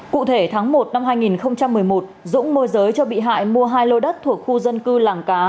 cụ thể tháng một năm hai nghìn một mươi một dũng môi giới cho bị hại mua hai lô đất thuộc khu dân cư làng cá